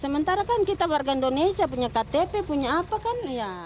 sementara kan kita warga indonesia punya ktp punya apa kan